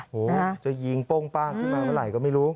โหจะยิงโป้งป้างขึ้นมาเมื่อไหร่ก็ไม่รู้